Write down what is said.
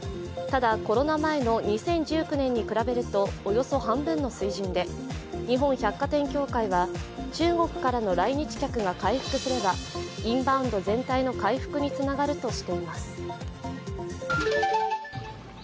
ただ、コロナ前の２０１９年に比べると、およそ半分の水準で日本百貨店協会は中国からの来日客が回復すればインバウンド全体の回復につながるとしています。